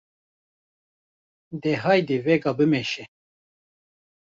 De haydê vêga bimeşe!’’